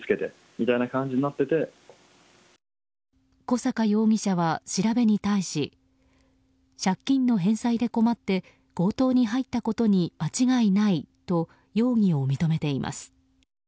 小阪容疑者は調べに対し借金の返済で困って強盗に入ったことに間違いないと容疑を認めています。